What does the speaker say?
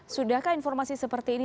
sudahkah informasi seperti ini